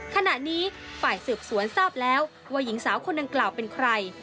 ขณะนี้ฝ่ายสืบสวนทราบแล้วว่าหญิงสาวคนดังกล่าวเป็นใคร